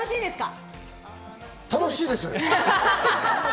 楽しいです。